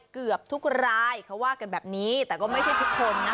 เกือบทุกรายเขาว่ากันแบบนี้แต่ก็ไม่ใช่ทุกคนนะ